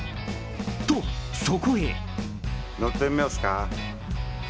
と、そこへ。